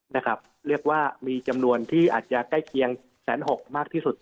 เรียกว่ามีจำนวนที่อาจจะใกล้เคียงแสนหกมากที่สุด